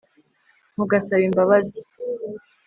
ntugasaba imbabazi